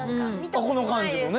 この感じもね。